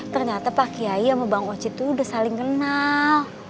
ternyata pak kiai sama bang oce itu udah saling kenal